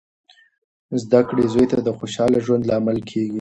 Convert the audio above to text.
زده کړه زوی ته د خوشخاله ژوند لامل کیږي.